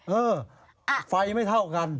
เออไฟไม่เท่ากัน